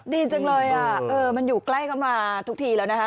ดีจังเลยอ่ะเออมันอยู่ใกล้มามาทุกทีแล้วนะฮะ